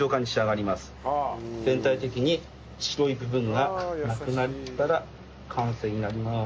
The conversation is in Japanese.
全体的に白い部分がなくなったら完成になります。